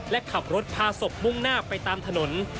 และขับรถพาศพมุ่งหน้าไปตามถนน